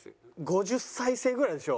５０再生ぐらいでしょ。